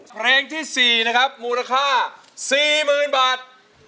เพลงที่๔นะครับมูลค่า๔๐๐๐บาท